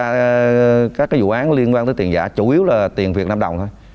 chúng tôi cũng điều tra các vụ án liên quan tới tiền giả chủ yếu là tiền việt nam đồng thôi